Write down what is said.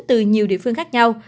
từ nhiều địa phương khác nhau